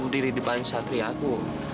aku aku sedir di depan satri aku